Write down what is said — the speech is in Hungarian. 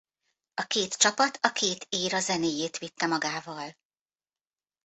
A két csapat a két éra zenéjét vitte magával.